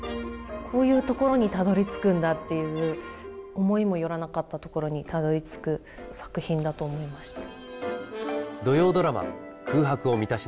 こういうところにたどりつくんだっていう思いも寄らなかったところにたどりつく作品だと思いました。